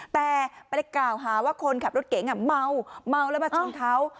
แต่ไปกล่าวหาว่าคนขับรถเก๋งเมาเมาแล้วมาชนเขา